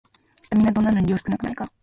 スタミナ丼なのに量少なくないか